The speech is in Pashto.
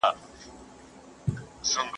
¬ وزير که منډ که، خپله کونه به بربنډ که.